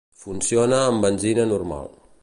Funciona amb benzina normal.